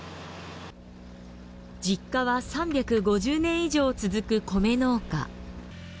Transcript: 実家は３５０年以上続く米農家。